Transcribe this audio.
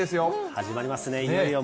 始まりますね、いよいよ。